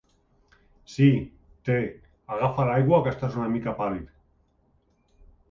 Sí, té, agafa aigua que estàs una mica pàl·lid.